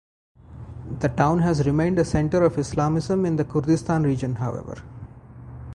The town has remained a center of Islamism in the Kurdistan region, however.